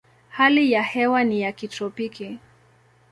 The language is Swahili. Hali ya hewa ni ya kitropiki.